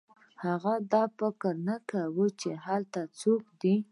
هغه دا فکر هم نه کاوه چې هلته څوک دی